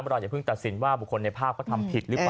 เราอย่าเพิ่งตัดสินว่าบุคคลในภาพเขาทำผิดหรือเปล่า